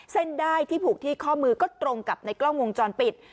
ได้ที่ผูกที่ข้อมือก็ตรงกับในกล้องวงจรปิด